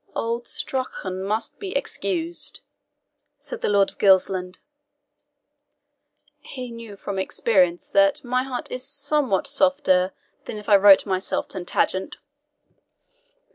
"Old Strauchan must be excused," said the Lord of Gilsland. "He knew from experience that my heart is somewhat softer than if I wrote myself Plantagenet."